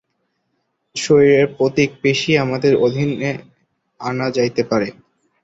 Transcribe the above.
শরীরের প্রত্যেক পেশীই আমাদের অধীনে আনা যাইতে পারে।